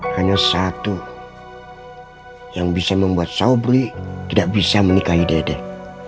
hanya satu yang bisa membuat saudi tidak bisa menikahi dedek